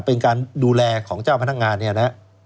เป็นการดูแลของเจ้าพนักงาน